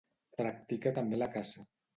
Practica també la caça.